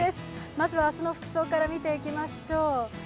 まずは明日の服装から見ていきましょう。